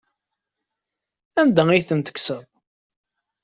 Anda ay tent-tekkseḍ?